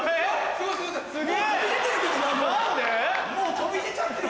飛び出ちゃってる。